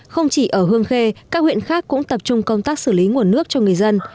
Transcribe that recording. không chỉ ở hương khê các huyện khác cũng tập trung công tác xử lý nguồn nước cho người dân